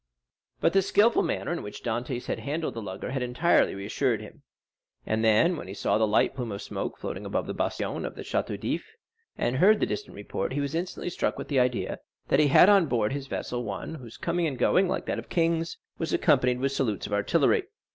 But the skilful manner in which Dantès had handled the lugger had entirely reassured him; and then, when he saw the light plume of smoke floating above the bastion of the Château d'If, and heard the distant report, he was instantly struck with the idea that he had on board his vessel one whose coming and going, like that of kings, was accompanied with salutes of artillery.